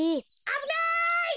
あぶない！